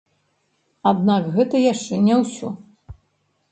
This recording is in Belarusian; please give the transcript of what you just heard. Аднак гэта яшчэ не ўсе.